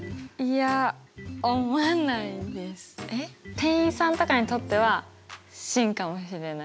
店員さんとかにとっては真かもしれない。